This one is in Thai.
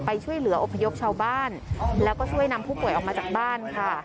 ช่วยเหลืออพยพชาวบ้านแล้วก็ช่วยนำผู้ป่วยออกมาจากบ้านค่ะ